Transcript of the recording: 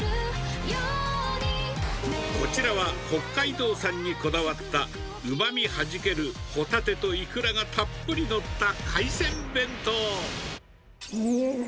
こちらは、北海道産にこだわった、うまみはじけるホタテとイクラがたっぷり載った海鮮弁当。